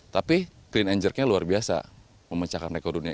tapi clean and jerknya luar biasa memecahkan rekor dunia